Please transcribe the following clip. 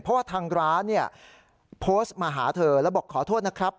เพราะว่าทางร้านเนี่ยโพสต์มาหาเธอแล้วบอกขอโทษนะครับ